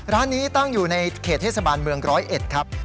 ร้านนี้ตั้งอยู่ในเขตเทศบาลเมืองร้อยเอ็ดครับ